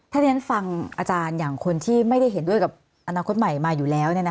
ถ้าที่ฉันฟังอาจารย์อย่างคนที่ไม่ได้เห็นด้วยกับอนาคตใหม่มาอยู่แล้ว